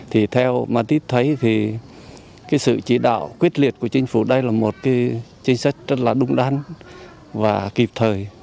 thì theo mattit thấy thì cái sự chỉ đạo quyết liệt của chính phủ đây là một cái chính sách rất là đúng đắn và kịp thời